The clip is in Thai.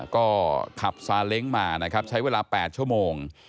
ก็ขับซาเล้งมานะครับใช้เวลา๘ชั่วโมง